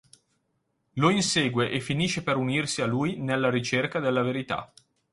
Lo insegue e finisce per unirsi a lui nella ricerca della verità.